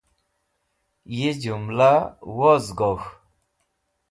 Yi jũmla woz gog̃h.